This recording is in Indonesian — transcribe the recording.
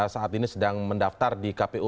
saat ini sedang mendaftar di kpu